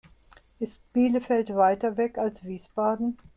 Ist Bielefeld weiter weg als Wiesbaden?